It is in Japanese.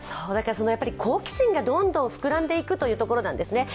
好奇心がどんどん膨らんでいくというところなんですね。